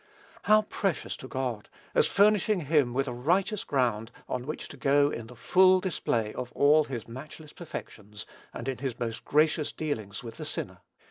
How precious to God, as furnishing him with a righteous ground on which to go in the full display of all his matchless perfections, and in his most gracious dealings with the sinner!